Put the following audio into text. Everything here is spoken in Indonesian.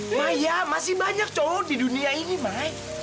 maya masih banyak cowok di dunia ini mai